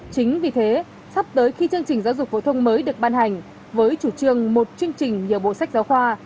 chính vì thế sắp tới khi chương trình giáo dục phổ thông mới được ban hành với chủ trương một chương trình nhiều bộ sách giáo khoa